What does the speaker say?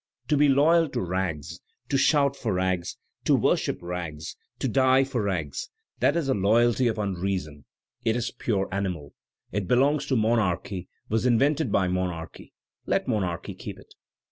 To be loyal to rags, to shout for rags, to worship rags, to die for rags — that is a loyalty of unreason, it is pure animal; it belongs to monarchy, was invented by monarchy; let monarchy keep it.